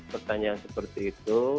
pertanyaan seperti itu